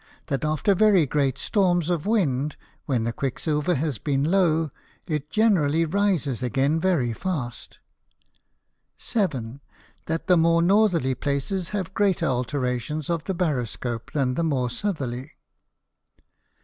That after very great Storms of Wind, when the Quicksilver has been low, it generally rises again very fast. 7. That the more Northerly places have greater Alterations of the Baroscope, than the more Southerly. 8.